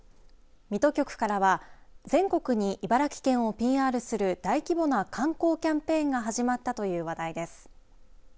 水戸局からは全国に茨城県をＰＲする大規模な観光キャンペーンが始まったという話題です。